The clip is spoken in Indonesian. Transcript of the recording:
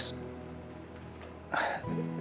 saya minta waktu sebentar untuk minum